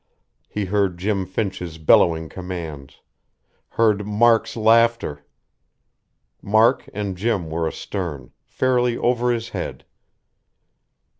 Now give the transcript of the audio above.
He heard Jim Finch's bellowing commands.... Heard Mark's laughter. Mark and Jim were astern, fairly over his head.